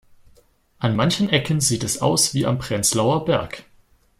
An manchen Ecken sieht es aus wie am Prenzlauer Berg.